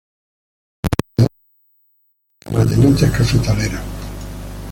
La presidencia quedó en manos de los grandes terratenientes cafetaleros.